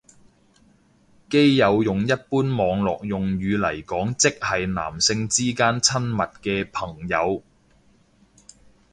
基友用一般網絡用語嚟講即係男性之間親密嘅朋友